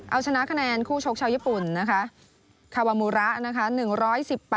เอาชนะคะแนนคู่ชกเช้าญี่ปุ่นคาวามูระนะครับ